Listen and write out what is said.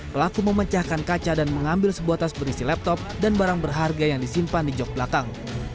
pelaku memecahkan kaca dan mengambil sebuah tas berisi laptop dan barang berharga yang disimpan di jok belakang